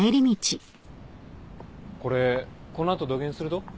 これこの後どげんすると？